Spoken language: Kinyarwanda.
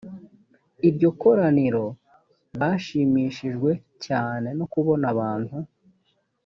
iryo koraniro bashimishijwe cyane no kubona abantu